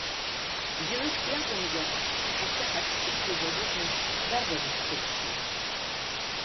Џьнышк иакәымзар, ҳашьа ҳахьҿихыз азыҳәан, дарбан иаҳхыччо?